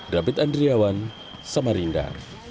david andriawan samarinda